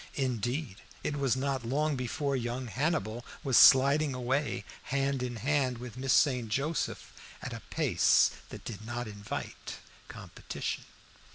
Indeed, it was not long before young Hannibal was sliding away hand in hand with Miss St. Joseph at a pace that did not invite competition.